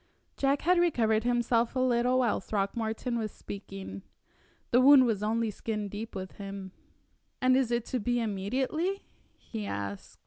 Jack had recovered himself a little while Throckmorton was speaking. The wound was only skin deep with him. "And is it to be immediately?" he asked.